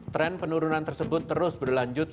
tren penurunan tersebut terus berlanjut